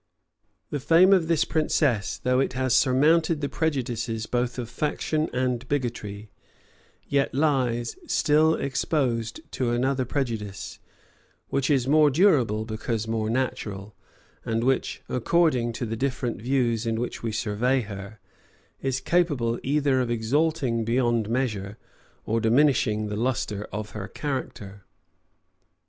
The fame of this princess, though it has surmounted the prejudices both of faction and bigotry, yet lies still exposed to another prejudice, which is more durable because more natural, and which, according to the different views in which we survey her, is capable either of exalting beyond measure, or diminishing the lustre of her character.